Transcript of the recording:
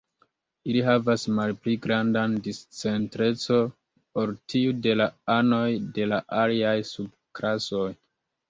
Ili havas malpli grandan discentreco ol tiu de la anoj de la aliaj sub-klasoj.